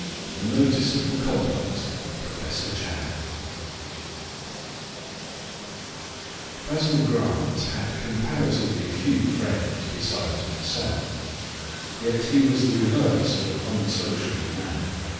The Noticeable Conduct of Professor Chadd Basil Grant had comparatively few friends besides myself; yet he was the reverse of an unsociable man.